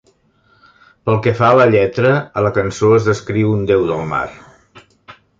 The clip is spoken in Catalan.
Pel que fa a la lletra, a la cançó es descriu un déu del mar.